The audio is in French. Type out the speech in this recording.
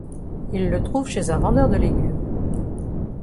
Il le trouve chez un vendeur de légumes.